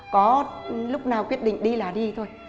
có lúc nào quyết định đi là đi thôi